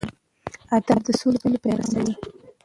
ادب د سولې پیغام رسوي.